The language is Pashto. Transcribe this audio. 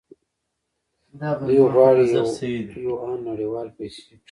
دوی غواړي یوان نړیواله پیسې کړي.